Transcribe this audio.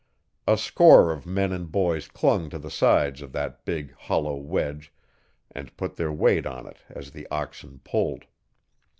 A score of men and boys clung to the sides of that big, hollow wedge, and put their weight on it as the oxen pulled.